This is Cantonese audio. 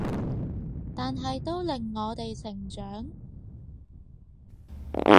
但係都令我哋成長